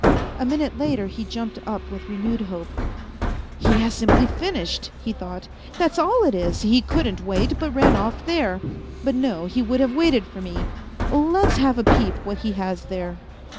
A minute later he jumped up with renewed hope. " He has simply finished," he thought, " that's all it is ; he couldn't wait, but ran off there. But, no ! he would have waited for me. ... Let's have a peep what he has there."